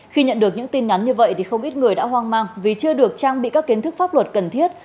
khi nhận được những tin nhắn như vậy thì không ít người đã hoang mang vì chưa được trang bị các kiến thức pháp luật cần thiết